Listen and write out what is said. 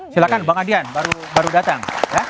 silahkan bang adian baru datang